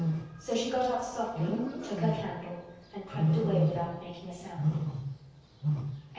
So she got up softly, took her candle and crept away without making a sound.